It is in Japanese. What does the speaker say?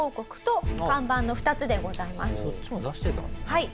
はい。